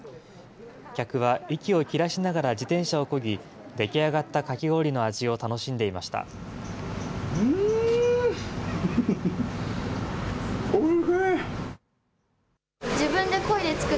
客は息を切らしながら自転車をこぎ、出来上がったかき氷の味を楽うーん！おいしい！